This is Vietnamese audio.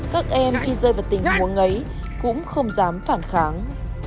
các em khi rơi vào tình huống ấy cũng không dám phản kháng